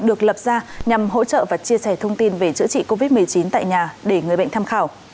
được lập ra nhằm hỗ trợ và chia sẻ thông tin về chữa trị covid một mươi chín tại nhà để người bệnh tham khảo